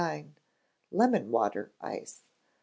Lemon Water Ice.